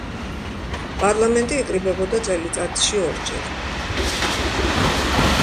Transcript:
პარლამენტი იკრიბებოდა წელიწადში ორჯერ.